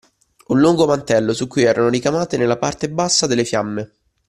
Un lungo mantello, su cui erano ricamate nella parte bassa delle fiamme